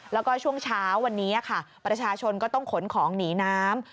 แล้วก็ช่วงเช้าวันนี้ค่ะประชาชนก็ต้องขนของหนีน้ำ